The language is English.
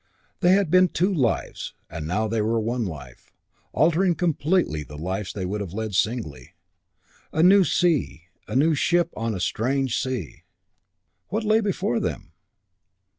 They had been two lives, and now they were one life, altering completely the lives they would have led singly: a new sea, a new ship on a new, strange sea. What lay before them?